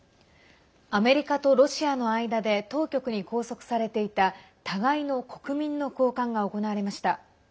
アメリカとロシアの間で当局に拘束されていた互いの国民の交換が行われました。